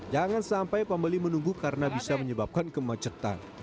jangan sampai pembeli menunggu karena bisa menyebabkan kemacetan